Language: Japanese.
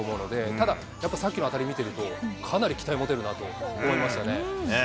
ただやっぱさっきの当たり見てると、かなり期待持てるなと思いましたね。